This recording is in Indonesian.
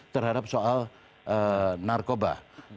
terhadap soal narkoba